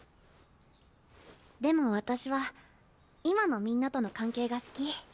でも私は今のみんなとの関係が好き。